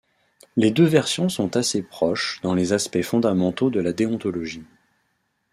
Les deux versions sont assez proches dans les aspects fondamentaux de la déontologie.